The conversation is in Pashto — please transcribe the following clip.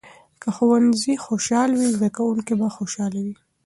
که ښوونځي خوشال وي، زده کوونکي به خوشحاله وي.